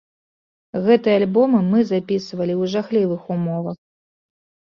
Гэты альбом мы запісвалі ў жахлівых умовах.